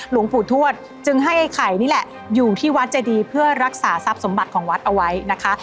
หลวงปู่ทวดจึงให้ไอ้ไข่นี่แหละอยู่ที่วัดเจดีเพื่อรักษาทรัพย์สมบัติของวัดเอาไว้นะคะ